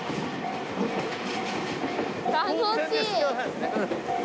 楽しい。